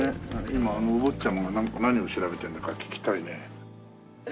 今あのお坊ちゃまが何を調べてるのか聞きたいね。